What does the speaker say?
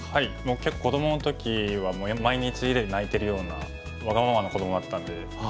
子どもの時はもう毎日家で泣いてるようなわがままな子どもだったんで。